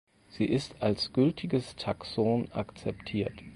Sie ist als gültiges Taxon akzeptiert.